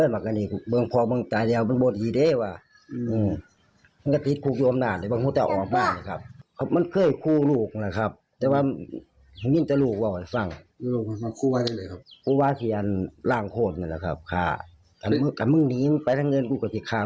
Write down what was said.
แม่งโคตรนี่คนจริงแต่มึงนี่คนไปทั้งคำเงินกูของฉันค่ะ